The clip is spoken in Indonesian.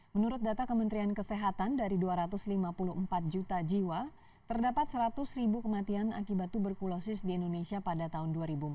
menurut data kementerian kesehatan dari dua ratus lima puluh empat juta jiwa terdapat seratus ribu kematian akibat tuberkulosis di indonesia pada tahun dua ribu empat belas